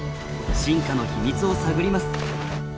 進化の秘密を探ります。